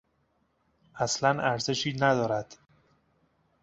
اصلا ارزشی ندارد.